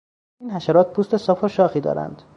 این حشرات پوست صاف و شاخی دارند.